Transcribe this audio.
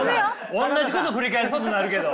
おんなじこと繰り返すことになるけど。